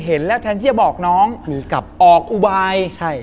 เห็นแล้วแทนที่จะบอกน้องออกอุบาย